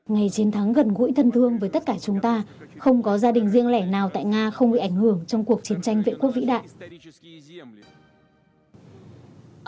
ngày chiến thắng gần gũi thân thương với tất cả chúng ta không có gia đình riêng lẻ nào tại nga không bị ảnh hưởng trong cuộc chiến tranh vệ quốc vĩ đại